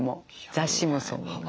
雑誌もそう。